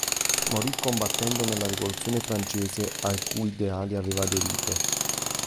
Morì combattendo nella Rivoluzione francese, ai cui ideali aveva aderito.